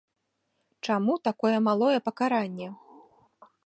Чаму такое малое пакаранне?